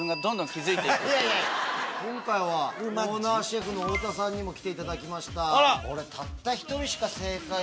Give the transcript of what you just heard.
今回はオーナーシェフの太田さんにも来ていただきました。